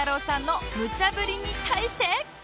さんのむちゃぶりに対して